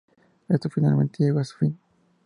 Esto finalmente llegó a su fin.